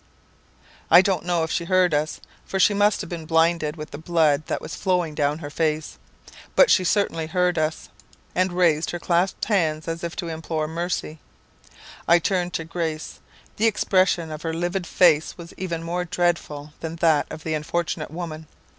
I don't know if she heard us, for she must have been blinded with the blood that was flowing down her face; but she certainly heard us, and raised her clasped hands, as if to implore mercy. "I turned to Grace. The expression of her livid face was even more dreadful than that of the unfortunate woman.